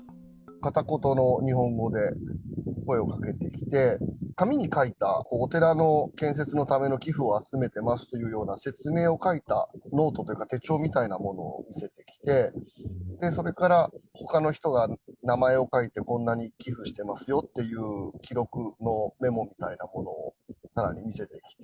片言の日本語で声をかけてきて、紙に書いたお寺の建設のための寄付を集めてますというような説明を書いたノートというか、手帳みたいなものを見せてきて、それからほかの人が名前を書いて、こんなに寄付してますよという記録のメモみたいなものをさらに見せてきて。